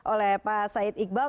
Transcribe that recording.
oleh pak said iqbal